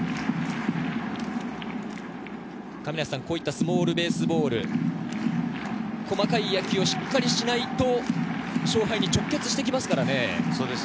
スモールベースボール、細かい野球をしっかりしないと勝敗に直結してきますからね。